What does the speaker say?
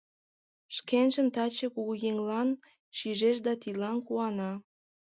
Шкенжым таче кугуеҥлак шижеш да тидлан куана.